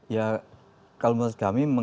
ya kalau menurut kami